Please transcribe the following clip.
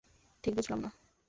ঠিক বুঝলাম না!